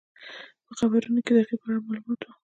په خبرونو کې د هغې په اړه معلومات وو.